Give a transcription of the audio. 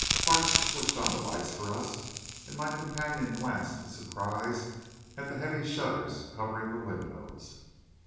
Parks switched on the lights for us, and my companion glanced with surprise at the heavy shutters covering the windows.